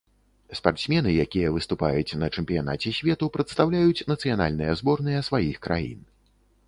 Спартсмены, якія выступаюць на чэмпіянаце свету, прадстаўляюць нацыянальныя зборныя сваіх краін.